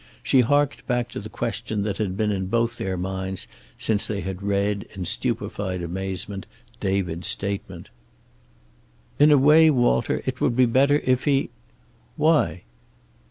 She harked back to the question that had been in both their minds since they had read, in stupefied amazement, David's statement. "In a way, Walter, it would be better, if he..." "Why?"